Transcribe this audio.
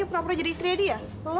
pernah pernah jadi istri adi ya